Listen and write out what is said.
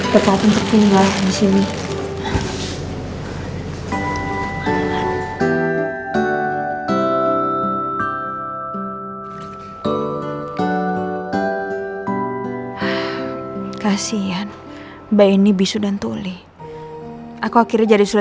tepat untuk tinggal di sini